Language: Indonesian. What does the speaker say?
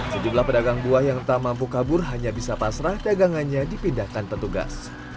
sejumlah pedagang buah yang tak mampu kabur hanya bisa pasrah dagangannya dipindahkan petugas